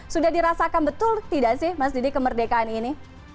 sudah dirasakan betul tidak sih mas didi kemerdekaan ini